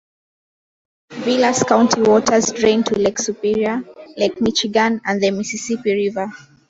Vilas County waters drain to Lake Superior, Lake Michigan, and the Mississippi River.